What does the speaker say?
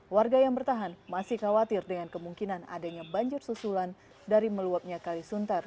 warga yang bertahan masih khawatir dengan kemungkinan adanya banjir susulan dari meluapnya kali suntar